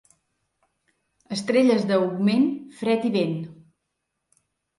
Estrelles d'augment, fred i vent.